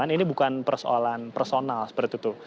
ini bukan persoalan personal seperti itu